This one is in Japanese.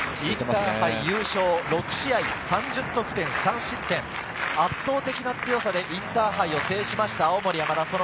インターハイ優勝、６試合３０得点３失点、圧倒的な強さでインターハイを制しました、青森山田。